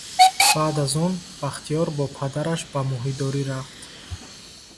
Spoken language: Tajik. Баъд аз он Бахтиёр бо падараш ба моҳидорӣ рафт